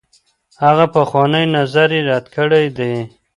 هغه پخوانۍ نظريې رد کړي دي.